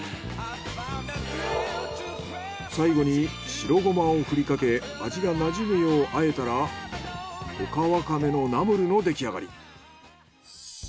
最後に白ゴマをふりかけ味がなじむよう和えたらオカワカメのナムルの出来上がり。